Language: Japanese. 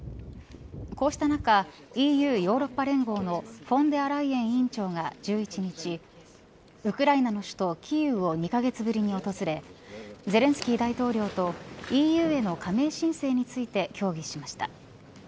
こうした中ＥＵ、ヨーロッパ連合のフォンデアライエン委員長が１１日ウクライナの首都キーウを２カ月ぶりに訪れゼレンスキー大統領とＥＵへの加盟申請について協議しました。